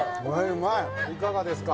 いかがですか？